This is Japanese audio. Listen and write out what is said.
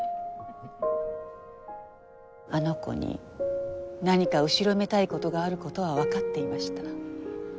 あの子に何か後ろめたい事がある事はわかっていました。